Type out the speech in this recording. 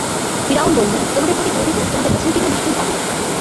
ফিরআউন বলল, তোমাদের প্রতি প্রেরিত তোমাদের রাসূলটি তো নিশ্চয়ই পাগল।